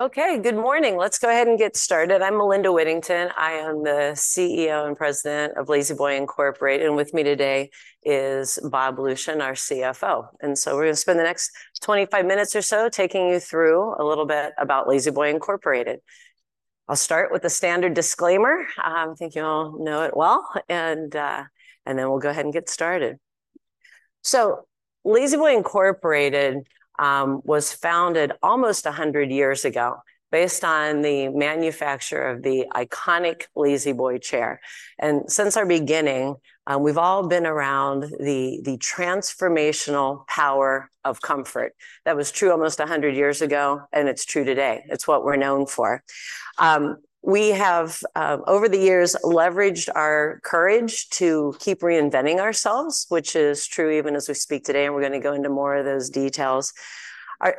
Okay, good morning. Let's go ahead and get started. I'm Melinda Whittington. I am the CEO and President of La-Z-Boy Incorporated, and with me today is Bob Lucian, our CFO. We're gonna spend the next 25 minutes or so taking you through a little bit about La-Z-Boy Incorporated. I'll start with the standard disclaimer. I think you all know it well, and then we'll go ahead and get started. La-Z-Boy Incorporated was founded almost 100 years ago, based on the manufacture of the iconic La-Z-Boy chair. Since our beginning, we've all been around the transformational power of comfort. That was true almost 100 years ago, and it's true today. It's what we're known for. We have, over the years, leveraged our courage to keep reinventing ourselves, which is true even as we speak today, and we're gonna go into more of those details.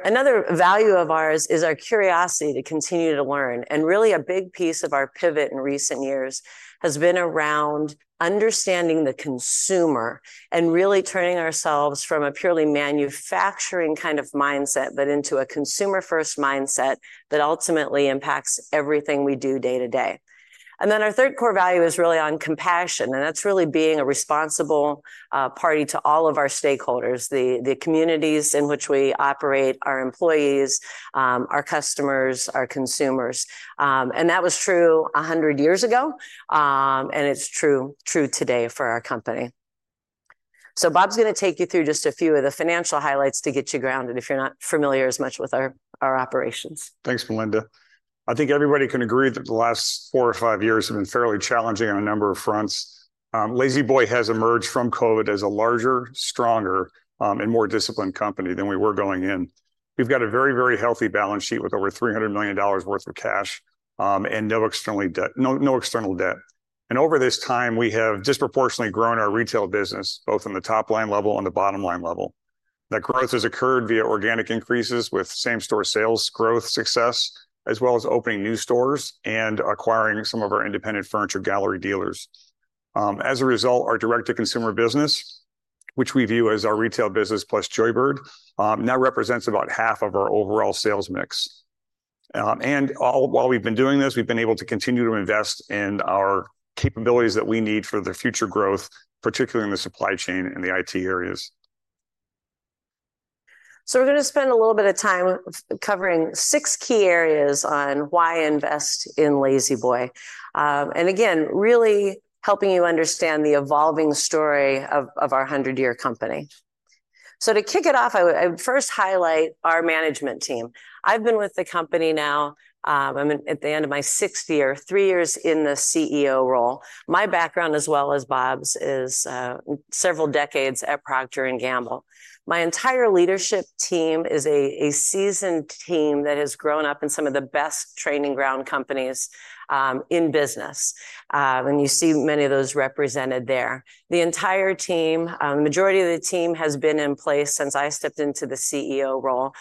Another value of ours is our curiosity to continue to learn, and really, a big piece of our pivot in recent years has been around understanding the consumer and really turning ourselves from a purely manufacturing kind of mindset, but into a consumer-first mindset that ultimately impacts everything we do day to day. And then, our third core value is really on compassion, and that's really being a responsible party to all of our stakeholders, the communities in which we operate, our employees, our customers, our consumers. And that was true 100 years ago, and it's true, true today for our company. So Bob's gonna take you through just a few of the financial highlights to get you grounded if you're not familiar as much with our operations. Thanks, Melinda. I think everybody can agree that the last four or five years have been fairly challenging on a number of fronts. La-Z-Boy has emerged from COVID as a larger, stronger, and more disciplined company than we were going in. We've got a very, very healthy balance sheet with over $300 million worth of cash, and no external debt. Over this time, we have disproportionately grown our retail business, both on the top-line level and the bottom-line level. That growth has occurred via organic increases with same-store sales growth success, as well as opening new stores and acquiring some of our independent furniture gallery dealers. As a result, our direct-to-consumer business, which we view as our retail business plus Joybird, now represents about half of our overall sales mix. While we've been doing this, we've been able to continue to invest in our capabilities that we need for the future growth, particularly in the supply chain and the IT areas. So we're gonna spend a little bit of time covering 6 key areas on why invest in La-Z-Boy. And again, really helping you understand the evolving story of our 100-year company. So to kick it off, I would first highlight our management team. I've been with the company now, I'm at the end of my sixth year, 3 years in the CEO role. My background, as well as Bob's, is several decades at Procter & Gamble. My entire leadership team is a seasoned team that has grown up in some of the best training ground companies in business, and you see many of those represented there. The entire team, majority of the team has been in place since I stepped into the CEO role.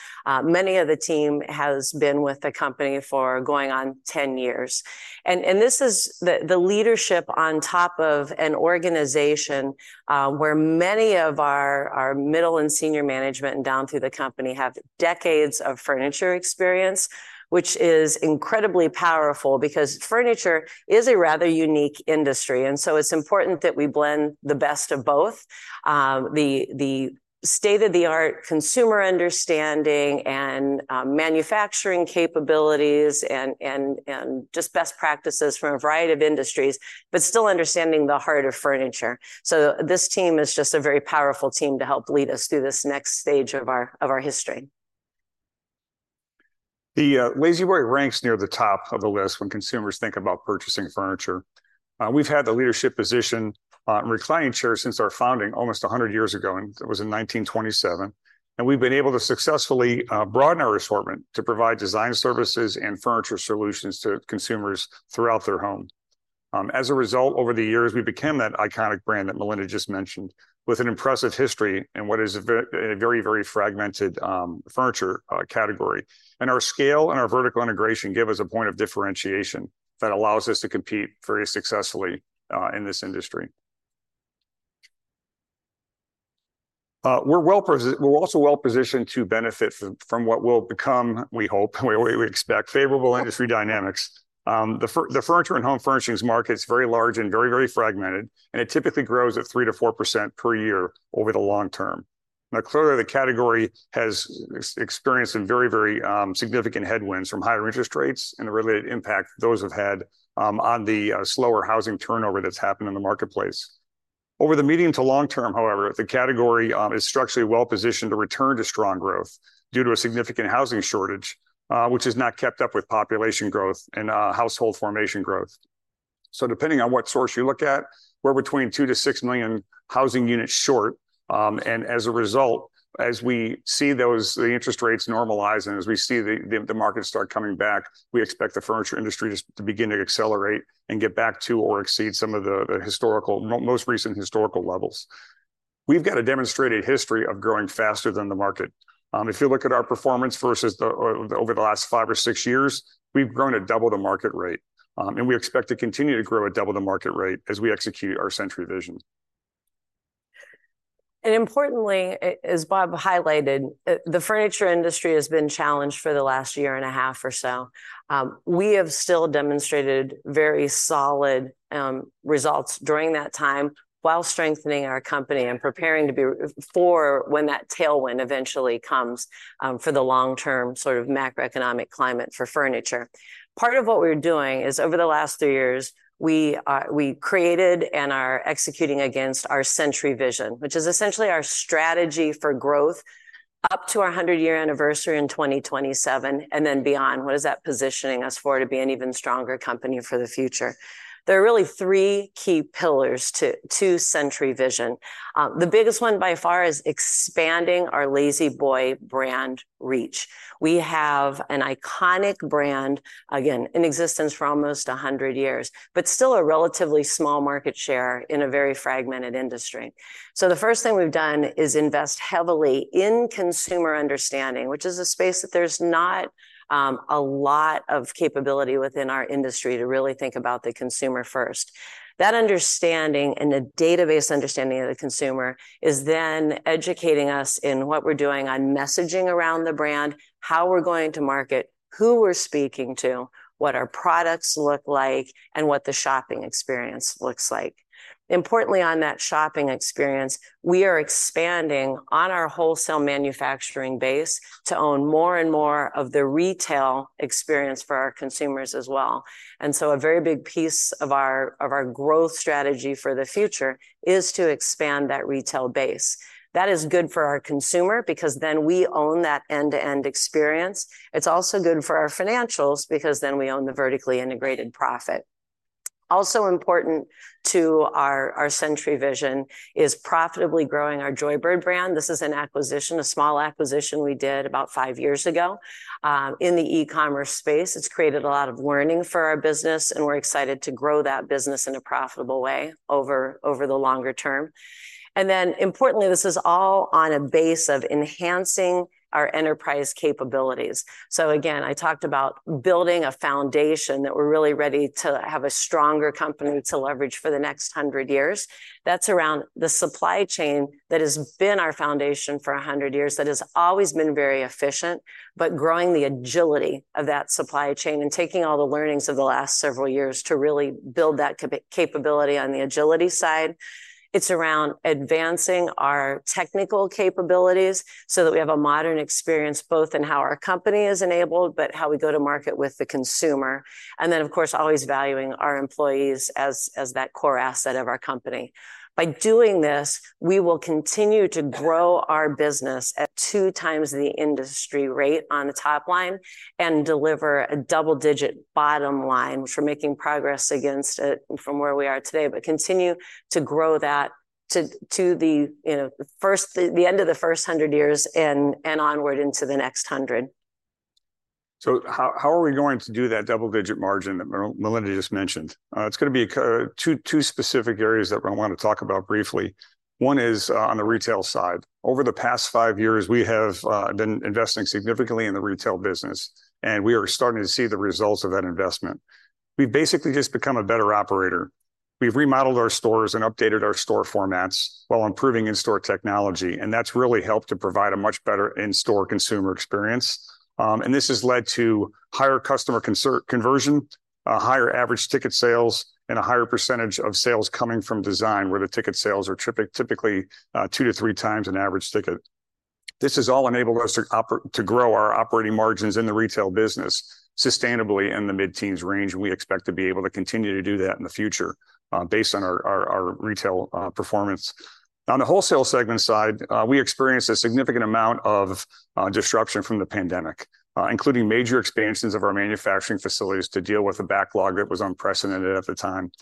Many of the team has been with the company for going on 10 years. This is the leadership on top of an organization where many of our middle and senior management, and down through the company, have decades of furniture experience, which is incredibly powerful because furniture is a rather unique industry. It's important that we blend the best of both the state-of-the-art consumer understanding and manufacturing capabilities and just best practices from a variety of industries, but still understanding the heart of furniture. This team is just a very powerful team to help lead us through this next stage of our history. The La-Z-Boy ranks near the top of the list when consumers think about purchasing furniture. We've had the leadership position in reclining chairs since our founding almost 100 years ago, and that was in 1927. We've been able to successfully broaden our assortment to provide design services and furniture solutions to consumers throughout their home. As a result, over the years, we became that iconic brand that Melinda just mentioned, with an impressive history in what is a very, very fragmented furniture category. Our scale and our vertical integration give us a point of differentiation that allows us to compete very successfully in this industry. We're also well-positioned to benefit from what will become, we hope, we expect, favorable industry dynamics. The furniture and home furnishings market is very large and very, very fragmented, and it typically grows at 3%-4% per year over the long term. Now, clearly, the category has experienced some very, very, significant headwinds from higher interest rates and the related impact those have had, on the slower housing turnover that's happened in the marketplace. Over the medium to long term, however, the category is structurally well-positioned to return to strong growth due to a significant housing shortage, which has not kept up with population growth and, household formation growth. So depending on what source you look at, we're between 2-6 million housing units short, and as a result, as we see those... The interest rates normalize, and as we see the market start coming back, we expect the furniture industry to begin to accelerate and get back to, or exceed some of the historical, most recent historical levels. We've got a demonstrated history of growing faster than the market. If you look at our performance versus the over the last five or six years, we've grown at double the market rate, and we expect to continue to grow at double the market rate as we execute our Century Vision.... And importantly, as Bob highlighted, the furniture industry has been challenged for the last year and a half or so. We have still demonstrated very solid results during that time, while strengthening our company and preparing for when that tailwind eventually comes, for the long-term sort of macroeconomic climate for furniture. Part of what we're doing is, over the last three years, we created and are executing against our Century Vision, which is essentially our strategy for growth up to our hundred-year anniversary in 2027, and then beyond. What is that positioning us for to be an even stronger company for the future? There are really three key pillars to Century Vision. The biggest one by far is expanding our La-Z-Boy brand reach. We have an iconic brand, again, in existence for almost 100 years, but still a relatively small market share in a very fragmented industry. So the first thing we've done is invest heavily in consumer understanding, which is a space that there's not a lot of capability within our industry to really think about the consumer first. That understanding, and a database understanding of the consumer, is then educating us in what we're doing on messaging around the brand, how we're going to market, who we're speaking to, what our products look like, and what the shopping experience looks like. Importantly, on that shopping experience, we are expanding on our wholesale manufacturing base to own more and more of the retail experience for our consumers as well. And so a very big piece of our growth strategy for the future is to expand that retail base. That is good for our consumer because then we own that end-to-end experience. It's also good for our financials because then we own the vertically integrated profit. Also important to our Century Vision is profitably growing our Joybird brand. This is an acquisition, a small acquisition we did about 5 years ago, in the e-commerce space. It's created a lot of learning for our business, and we're excited to grow that business in a profitable way over the longer term. And then, importantly, this is all on a base of enhancing our enterprise capabilities. So again, I talked about building a foundation that we're really ready to have a stronger company to leverage for the next 100 years. That's around the supply chain that has been our foundation for 100 years, that has always been very efficient, but growing the agility of that supply chain and taking all the learnings of the last several years to really build that capability on the agility side. It's around advancing our technical capabilities so that we have a modern experience, both in how our company is enabled, but how we go to market with the consumer. And then, of course, always valuing our employees as that core asset of our company. By doing this, we will continue to grow our business at 2 times the industry rate on the top line, and deliver a double-digit bottom line, which we're making progress against it from where we are today, but continue to grow that to the, you know, end of the first hundred years and onward into the next hundred. So how are we going to do that double-digit margin that Melinda just mentioned? It's gonna be two specific areas that I want to talk about briefly. One is on the retail side. Over the past 5 years, we have been investing significantly in the retail business, and we are starting to see the results of that investment. We've basically just become a better operator. We've remodeled our stores and updated our store formats while improving in-store technology, and that's really helped to provide a much better in-store consumer experience. And this has led to higher customer conversion, a higher average ticket sales, and a higher percentage of sales coming from design, where the ticket sales are typically 2-3 times an average ticket. This has all enabled us to to grow our operating margins in the retail business sustainably in the mid-teens range, and we expect to be able to continue to do that in the future, based on our retail performance. On the wholesale segment side, we experienced a significant amount of disruption from the pandemic, including major expansions of our manufacturing facilities to deal with the backlog that was unprecedented at the time.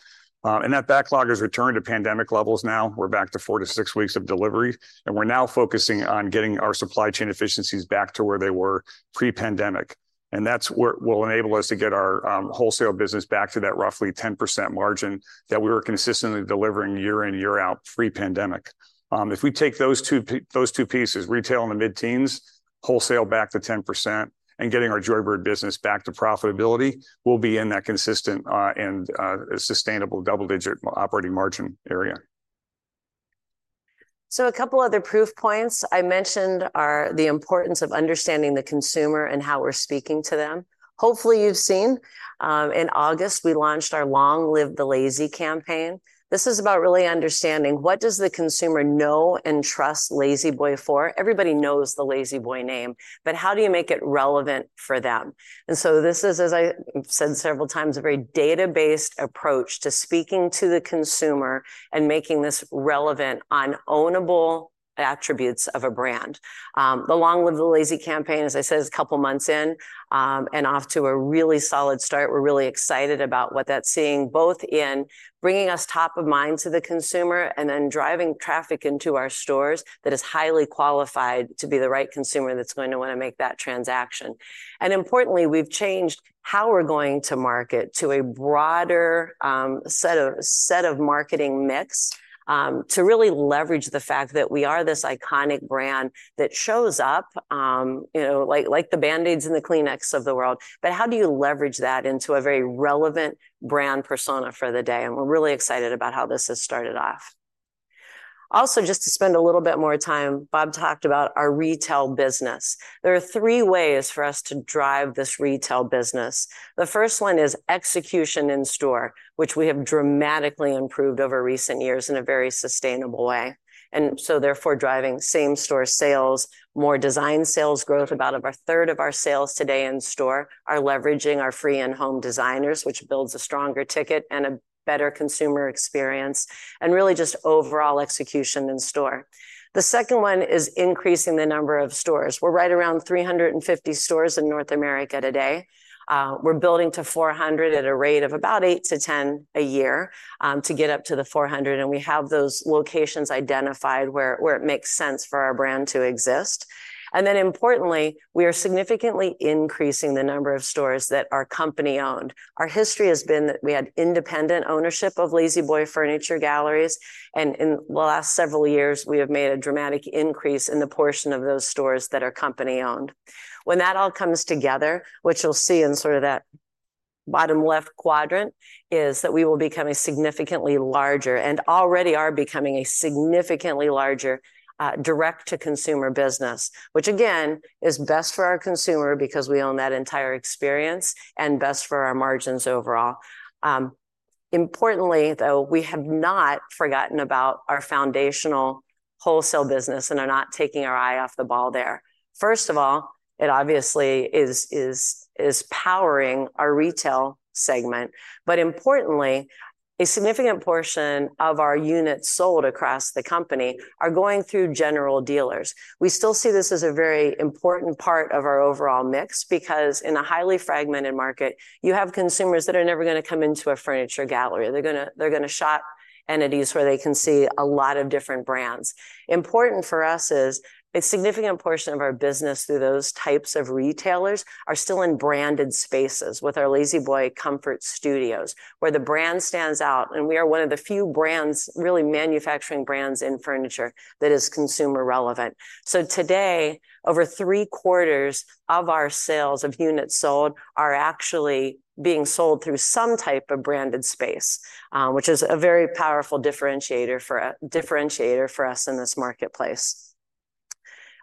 And that backlog has returned to pandemic levels now. We're back to 4-6 weeks of delivery, and we're now focusing on getting our supply chain efficiencies back to where they were pre-pandemic, and that's what will enable us to get our wholesale business back to that roughly 10% margin that we were consistently delivering year in, year out, pre-pandemic. If we take those two pieces, retail in the mid-teens, wholesale back to 10%, and getting our Joybird business back to profitability, we'll be in that consistent and sustainable double-digit operating margin area. So a couple other proof points I mentioned are the importance of understanding the consumer and how we're speaking to them. Hopefully, you've seen, in August, we launched our Long Live the La-Z campaign. This is about really understanding what does the consumer know and trust La-Z-Boy for? Everybody knows the La-Z-Boy name, but how do you make it relevant for them? And so this is, as I've said several times, a very data-based approach to speaking to the consumer and making this relevant on own-able attributes of a brand. The Long Live the La-Z campaign, as I said, is a couple of months in, and off to a really solid start. We're really excited about what that's seeing, both in bringing us top of mind to the consumer and then driving traffic into our stores that is highly qualified to be the right consumer that's going to want to make that transaction. And importantly, we've changed how we're going to market to a broader set of marketing mix to really leverage the fact that we are this iconic brand that shows up, you know, like the Band-Aids and the Kleenex of the world. But how do you leverage that into a very relevant brand persona for the day? And we're really excited about how this has started off. Also, just to spend a little bit more time, Bob talked about our retail business. There are three ways for us to drive this retail business. The first one is execution in store, which we have dramatically improved over recent years in a very sustainable way, and so therefore driving same-store sales. More design sales growth, about a third of our sales today in store are leveraging our free in-home designers, which builds a stronger ticket and a better consumer experience, and really just overall execution in store. The second one is increasing the number of stores. We're right around 350 stores in North America today. We're building to 400 at a rate of about 8-10 a year, to get up to the 400, and we have those locations identified where, where it makes sense for our brand to exist. And then importantly, we are significantly increasing the number of stores that are company-owned. Our history has been that we had independent ownership of La-Z-Boy Furniture Galleries, and in the last several years, we have made a dramatic increase in the portion of those stores that are company-owned. When that all comes together, what you'll see in sort of that bottom-left quadrant, is that we will become a significantly larger, and already are becoming a significantly larger, direct-to-consumer business. Which again, is best for our consumer because we own that entire experience, and best for our margins overall. Importantly, though, we have not forgotten about our foundational wholesale business and are not taking our eye off the ball there. First of all, it obviously is powering our retail segment, but importantly, a significant portion of our units sold across the company are going through general dealers. We still see this as a very important part of our overall mix, because in a highly fragmented market, you have consumers that are never gonna come into a furniture gallery. They're gonna shop entities where they can see a lot of different brands. Important for us is a significant portion of our business through those types of retailers are still in branded spaces with our La-Z-Boy Comfort Studios, where the brand stands out, and we are one of the few brands, really manufacturing brands in furniture, that is consumer relevant. So today, over three-quarters of our sales of units sold are actually being sold through some type of branded space, which is a very powerful differentiator for us in this marketplace.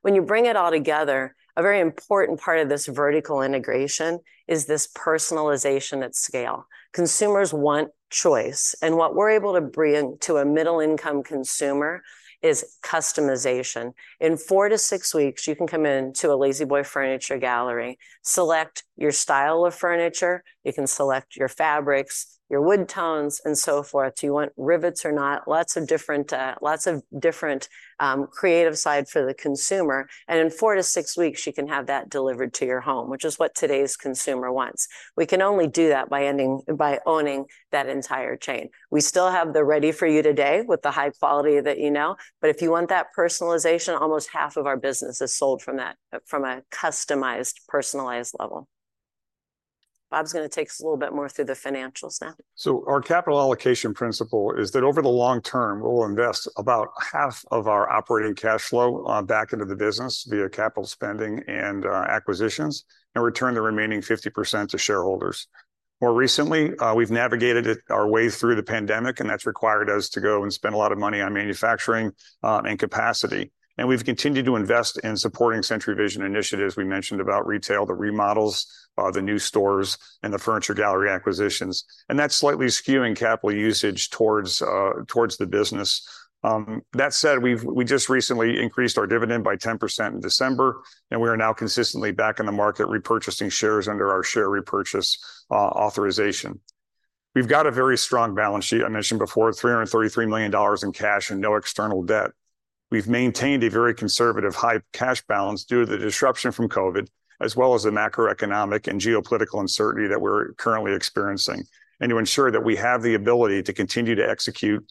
When you bring it all together, a very important part of this vertical integration is this personalization at scale. Consumers want choice, and what we're able to bring to a middle-income consumer is customization. In 4-6 weeks, you can come into a La-Z-Boy Furniture Gallery, select your style of furniture, you can select your fabrics, your wood tones, and so forth. You want rivets or not? Lots of different creative side for the consumer, and in 4-6 weeks, you can have that delivered to your home, which is what today's consumer wants. We can only do that by owning that entire chain. We still have the ready-for-you today with the high quality that you know, but if you want that personalization, almost half of our business is sold from that, from a customized, personalized level. Bob's gonna take us a little bit more through the financials now. So our capital allocation principle is that over the long term, we'll invest about half of our operating cash flow back into the business via capital spending and acquisitions, and return the remaining 50% to shareholders. More recently, we've navigated our way through the pandemic, and that's required us to go and spend a lot of money on manufacturing and capacity. And we've continued to invest in supporting Century Vision initiatives. We mentioned about retail, the remodels, the new stores, and the Furniture Gallery acquisitions, and that's slightly skewing capital usage towards the business. That said, we've just recently increased our dividend by 10% in December, and we are now consistently back in the market, repurchasing shares under our share repurchase authorization. We've got a very strong balance sheet. I mentioned before, $333 million in cash and no external debt. We've maintained a very conservative high cash balance due to the disruption from COVID, as well as the macroeconomic and geopolitical uncertainty that we're currently experiencing, and to ensure that we have the ability to continue to execute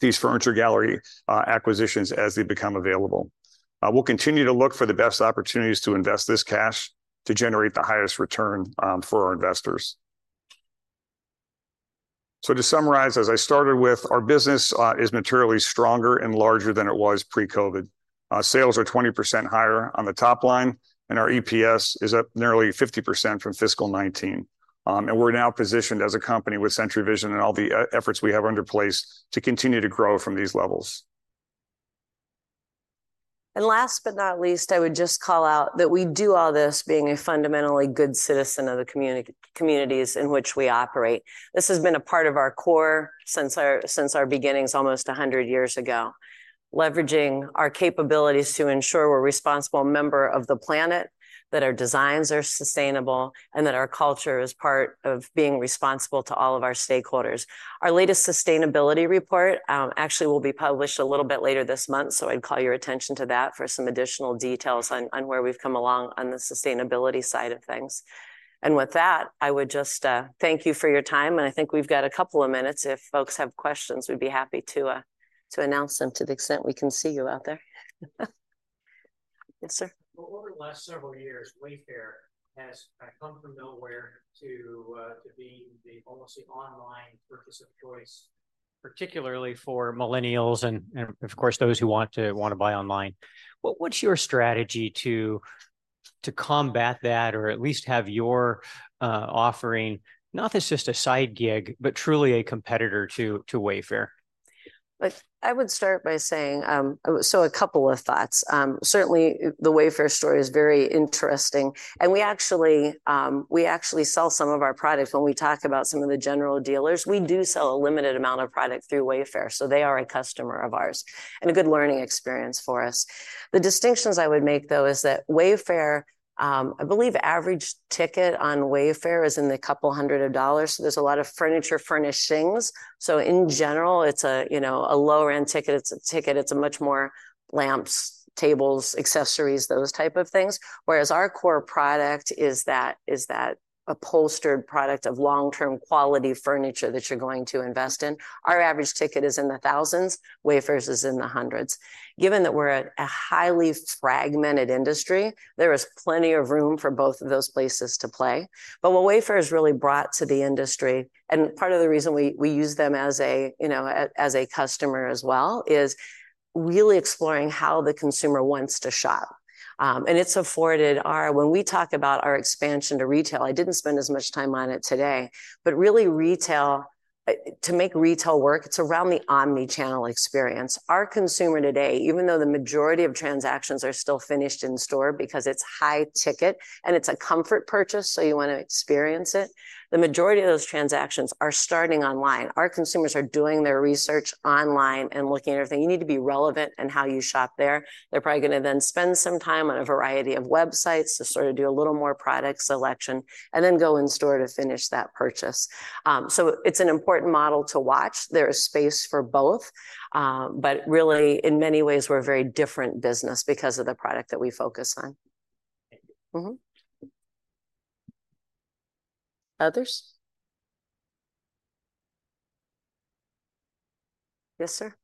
these Furniture Gallery acquisitions as they become available. We'll continue to look for the best opportunities to invest this cash to generate the highest return for our investors. So to summarize, as I started with, our business is materially stronger and larger than it was pre-COVID. Sales are 20% higher on the top line, and our EPS is up nearly 50% from fiscal 2019. We're now positioned as a company with Century Vision and all the e-efforts we have in place to continue to grow from these levels. Last but not least, I would just call out that we do all this being a fundamentally good citizen of the communities in which we operate. This has been a part of our core since our beginnings almost 100 years ago. Leveraging our capabilities to ensure we're a responsible member of the planet, that our designs are sustainable, and that our culture is part of being responsible to all of our stakeholders. Our latest sustainability report actually will be published a little bit later this month, so I'd call your attention to that for some additional details on where we've come along on the sustainability side of things. With that, I would just thank you for your time, and I think we've got a couple of minutes. If folks have questions, we'd be happy to announce them to the extent we can see you out there. Yes, sir. Over the last several years, Wayfair has come from nowhere to being almost the online purchase of choice, particularly for millennials and, and of course, those who want to, want to buy online. What, what's your strategy to?... to combat that, or at least have your, offering, not as just a side gig, but truly a competitor to, to Wayfair? Like, I would start by saying, so a couple of thoughts. Certainly, the Wayfair story is very interesting, and we actually, we actually sell some of our products. When we talk about some of the general dealers, we do sell a limited amount of product through Wayfair, so they are a customer of ours and a good learning experience for us. The distinctions I would make, though, is that Wayfair, I believe average ticket on Wayfair is in the $200, so there's a lot of furniture furnishings. So in general, it's a, you know, a lower-end ticket. It's a ticket, it's a much more lamps, tables, accessories, those type of things. Whereas our core product is that, is that upholstered product of long-term quality furniture that you're going to invest in. Our average ticket is in the $1,000s. Wayfair's is in the hundreds. Given that we're a highly fragmented industry, there is plenty of room for both of those places to play. But what Wayfair has really brought to the industry, and part of the reason we use them as a, you know, as a customer as well, is really exploring how the consumer wants to shop. And it's afforded our—when we talk about our expansion to retail, I didn't spend as much time on it today, but really, retail to make retail work, it's around the omni-channel experience. Our consumer today, even though the majority of transactions are still finished in store because it's high ticket and it's a comfort purchase, so you want to experience it, the majority of those transactions are starting online. Our consumers are doing their research online and looking at everything. You need to be relevant in how you shop there. They're probably gonna then spend some time on a variety of websites to sort of do a little more product selection and then go in store to finish that purchase. So it's an important model to watch. There is space for both, but really, in many ways we're a very different business because of the product that we focus on. Mm-hmm. Others? Yes, sir.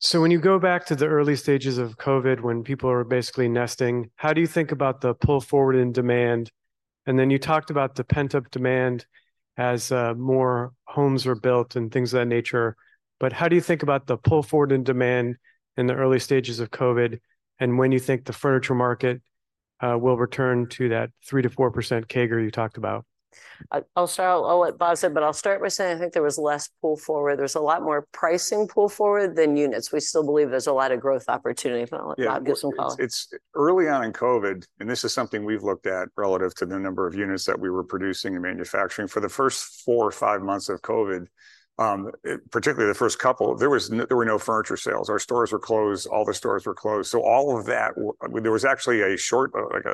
So when you go back to the early stages of COVID, when people were basically nesting, how do you think about the pull forward in demand? And then you talked about the pent-up demand as, more homes were built and things of that nature, but how do you think about the pull forward in demand in the early stages of COVID, and when you think the furniture market, will return to that 3%-4% CAGR you talked about? I'll start. I'll let Bob say, but I'll start by saying I think there was less pull forward. There's a lot more pricing pull forward than units. We still believe there's a lot of growth opportunity. I'll, Bob, give some comments. Yeah, it's early on in COVID, and this is something we've looked at relative to the number of units that we were producing and manufacturing. For the first 4 or 5 months of COVID, particularly the first couple, there were no furniture sales. Our stores were closed. All the stores were closed. So all of that there was actually a short, like,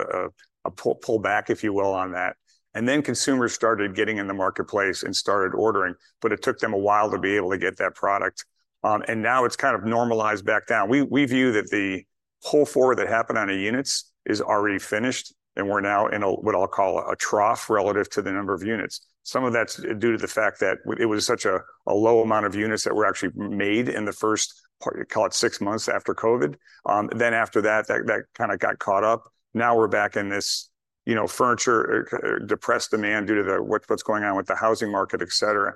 a pull back, if you will, on that. And then consumers started getting in the marketplace and started ordering, but it took them a while to be able to get that product. And now it's kind of normalized back down. We view that the pull forward that happened on the units is already finished, and we're now in a, what I'll call a trough relative to the number of units. Some of that's due to the fact that it was such a low amount of units that were actually made in the first part, call it six months after COVID. Then after that, that kind of got caught up. Now we're back in this, you know, furniture depressed demand due to the, what's going on with the housing market, et cetera.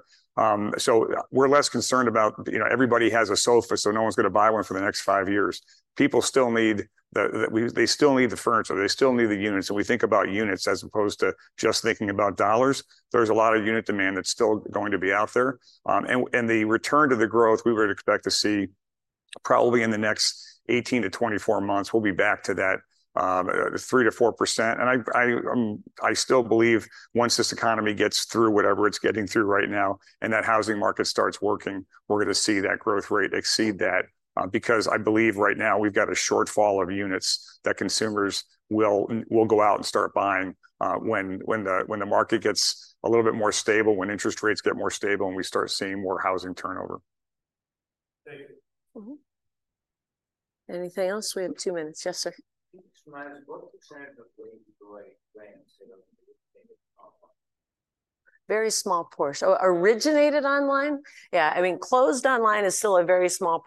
So we're less concerned about, you know, everybody has a sofa, so no one's gonna buy one for the next five years. People still need they still need the furniture, they still need the units, and we think about units as opposed to just thinking about dollars. There's a lot of unit demand that's still going to be out there. And the return to the growth we would expect to see probably in the next 18-24 months, we'll be back to that, three to four percent. And I still believe once this economy gets through whatever it's getting through right now, and that housing market starts working, we're gonna see that growth rate exceed that. Because I believe right now we've got a shortfall of units that consumers will go out and start buying, when the market gets a little bit more stable, when interest rates get more stable, and we start seeing more housing turnover. Thank you. Mm-hmm. Anything else? We have two minutes. Yes, sir. What percentage of the sales are originated online? Very small portion. Oh, originated online? Yeah, I mean, closed online is still a very small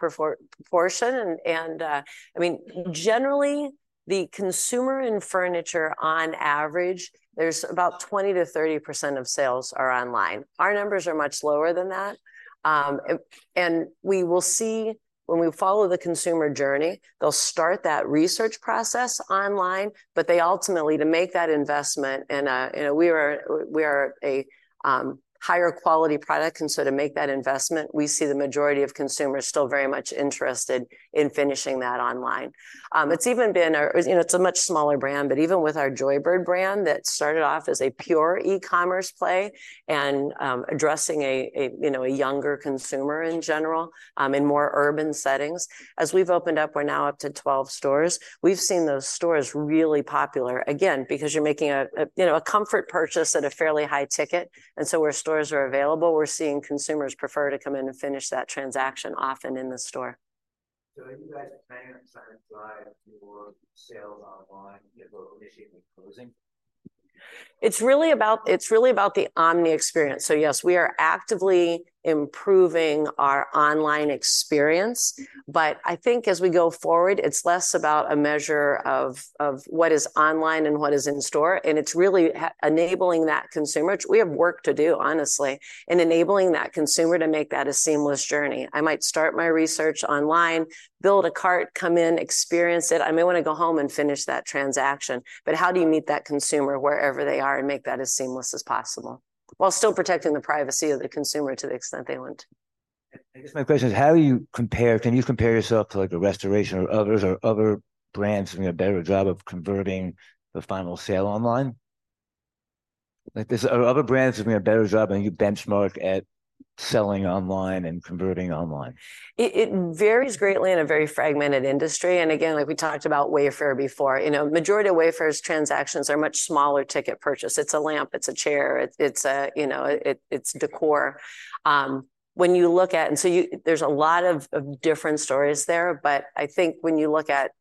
portion. And, I mean, generally, the consumer in furniture on average, there's about 20%-30% of sales are online. Our numbers are much lower than that. And we will see when we follow the consumer journey, they'll start that research process online, but they ultimately, to make that investment, and, you know, we are, we are a higher quality product, and so to make that investment, we see the majority of consumers still very much interested in finishing that online. It's even been, or, you know, it's a much smaller brand, but even with our Joybird brand, that started off as a pure e-commerce play and, addressing a, you know, a younger consumer in general, in more urban settings. As we've opened up, we're now up to 12 stores. We've seen those stores really popular, again, because you're making a you know a comfort purchase at a fairly high ticket, and so where stores are available, we're seeing consumers prefer to come in and finish that transaction often in the store. Are you guys planning on trying to drive more sales online, you know, initially closing? It's really about, it's really about the omni experience. So yes, we are actively improving our online experience, but I think as we go forward, it's less about a measure of, of what is online and what is in store, and it's really enabling that consumer. We have work to do, honestly, in enabling that consumer to make that a seamless journey. I might start my research online, build a cart, come in, experience it. I may wanna go home and finish that transaction. But how do you meet that consumer wherever they are and make that as seamless as possible, while still protecting the privacy of the consumer to the extent they want? I guess my question is, how do you compare, can you compare yourself to, like, a Restoration or others, or other brands doing a better job of converting the final sale online? Like, there's, are other brands doing a better job than you benchmark at selling online and converting online? It varies greatly in a very fragmented industry, and again, like we talked about Wayfair before, you know, majority of Wayfair's transactions are much smaller ticket purchase. It's a lamp, it's a chair, it's a, you know, it's decor. When you look at, there's a lot of different stories there, but I think when you look at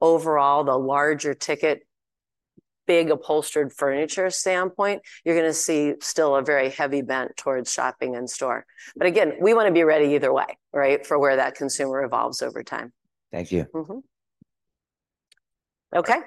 overall, the larger ticket, big upholstered furniture standpoint, you're gonna see still a very heavy bent towards shopping in store. But again, we wanna be ready either way, right, for where that consumer evolves over time. Thank you. Mm-hmm. Okay.